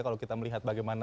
kalau kita melihat bagaimana